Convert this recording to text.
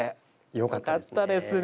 よかったですね。